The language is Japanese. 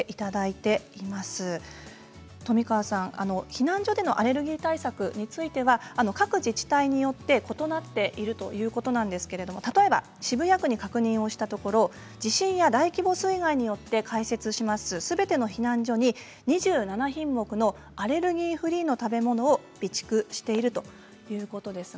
避難所でのアレルギー対策については各自治体によって異なっているということなんですが例えば渋谷区に確認をしたところ地震や大規模水害によって開設する、すべての避難所に２７品目のアレルギーフリーの食べ物を備蓄しているということです。